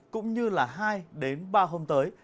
cũng như là hai đến ba hôm tới